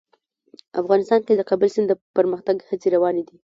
افغانستان کې د کابل سیند د پرمختګ هڅې روانې دي.